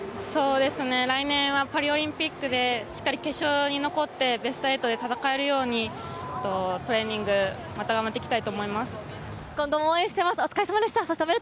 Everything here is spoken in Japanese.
来年はパリオリンピックでしっかり決勝に残ってベスト８で戦えるようにトレーニング、また頑張っていきたいと思います。